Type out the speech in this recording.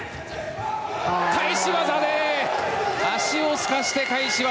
返し技で足をすかして返し技！